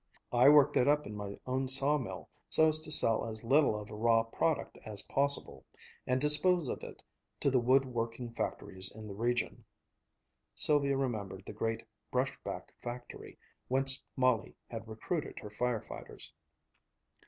I work that up in my own sawmill so as to sell as little of a raw product as possible; and dispose of it to the wood working factories in the region." (Sylvia remembered the great "brush back factory" whence Molly had recruited her fire fighters.)